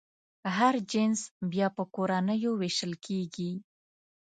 هر جنس بیا په کورنیو وېشل کېږي.